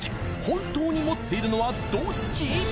本当に持っているのはどっち？